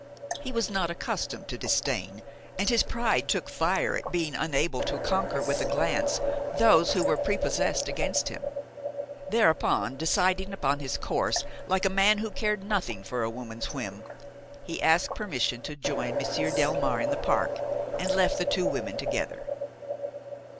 He was not accustomed to disdain and his pride took fire at being unable to conquer with a glance those who were prepossessed against him. Thereupon, deciding upon his course like a man who cared nothing for a woman's whim, he asked permission to join Monsieur Delmare in the park and left the two women together.